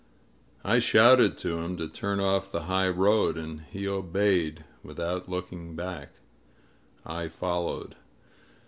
I shouted to him to turn off the high road, and he obeyed, without looking back. I followed.